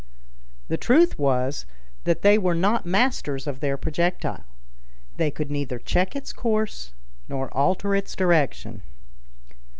The truth was that they were not masters of their projectile; they could neither check its course, nor alter its direction.